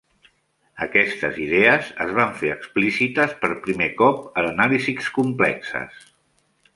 Aquestes idees es van fer explícites per primer cop en anàlisis complexes.